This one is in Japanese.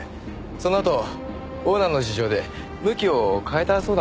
そのあとオーナーの事情で向きを変えたそうなんですよ。